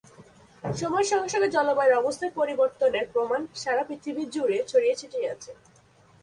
সময়ের সঙ্গে সঙ্গে জলবায়ুর অবস্থার পরিবর্তনের প্রমাণ সারা পৃথিবী জুড়ে ছড়িয়ে ছিটিয়ে আছে।